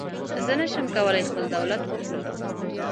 زه نشم کولای خپل دولت وپلورم.